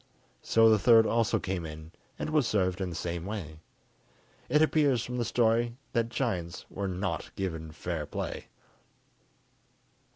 So the third also came in, and was served in the same way. It appears from the story that giants were not given fair play!